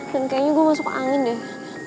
dan kayaknya gue masuk angin deh